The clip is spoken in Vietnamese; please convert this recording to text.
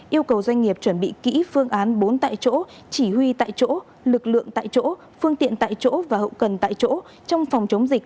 yêu cầu doanh nghiệp chuẩn bị kỹ phương án bốn tại chỗ chỉ huy tại chỗ lực lượng tại chỗ phương tiện tại chỗ và hậu cần tại chỗ trong phòng chống dịch